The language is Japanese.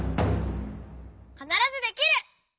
「かならずできる！」。